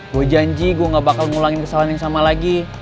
gue janji gue gak bakal ngulangin kesalahan yang sama lagi